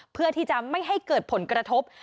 เพื่อที่จะไม่ให้เกิดผลกระทบ